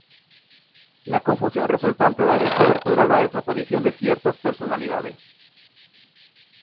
La confusión resultante daría cobertura a la desaparición de ciertas personalidades.